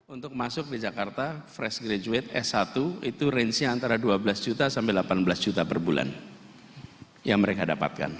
untuk masuk di jakarta fresh graduate s satu itu range nya antara dua belas juta sampai delapan belas juta per bulan yang mereka dapatkan